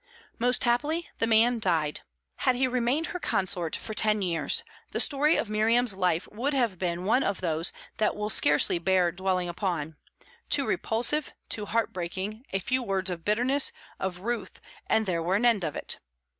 Most happily, the man died. Had he remained her consort for ten years, the story of Miriam's life would have been one of those that will scarcely bear dwelling upon, too repulsive, too heart breaking; a few words of bitterness, of ruth, and there were an end of it.